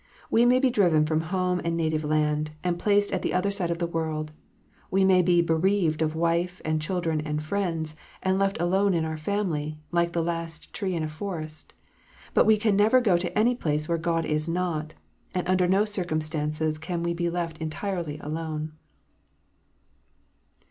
We may be driven from home and native land, and placed at the other side of the world ; we may be bereaved of wife and children and friends, and left alone in our family, like the last tree in a forest : but we can never go to any place where God is not, and under no circumstances can we be left entirely alone.